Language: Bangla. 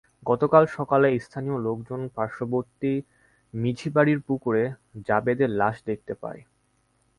গতকাল সকালে স্থানীয় লোকজন পার্শ্ববর্তী মিঝিবাড়ির পুকুরে জাবেদের লাশ দেখতে পায়।